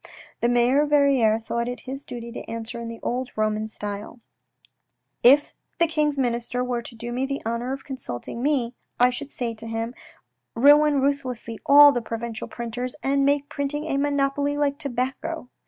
The mayor of Verrieres thought it his duty to answer in the old Roman style :" If the King's Minister were to do me the honour of consulting me, I should say to him, ruin ruthlessly all the provincial printers, and make printing a monopoly like tobacco."